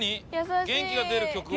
元気が出る曲を？